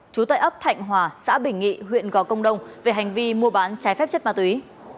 trú tại ấp thạnh hòa xã bình nghị huyện gò công đông về hành vi mua bán trái phép chất ma túy